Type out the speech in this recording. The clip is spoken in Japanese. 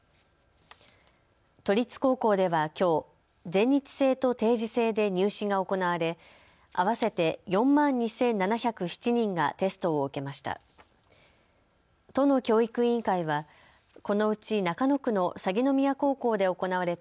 都立高校ではきょう全日制と定時制で入試が行われ合わせて４万２７０７人がテストを受けました。